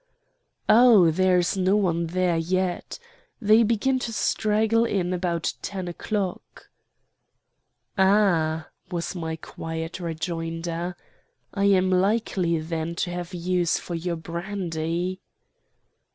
"'Oh, there is no one there yet. They begin to straggle in about ten o'clock.' "'Ah,' was my quiet rejoinder, 'I am likely, then, to have use for your brandy.